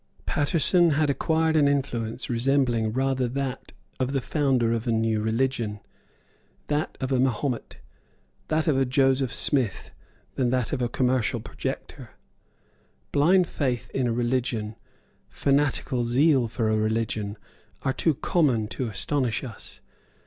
Paterson had acquired an influence resembling rather that of the founder of a new religion, that of a Mahomet, that of a Joseph Smith, than that of a commercial projector. Blind faith in a religion, fanatical zeal for a religion, are too common to astonish us.